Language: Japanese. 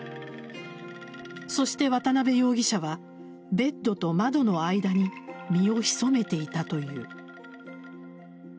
そして渡辺容疑者はベッドと窓の間に身を潜めていたという。